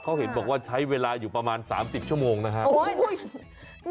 เขาเห็นบอกว่าใช้เวลาอยู่ประมาณ๓๐ชั่วโมงนะครับ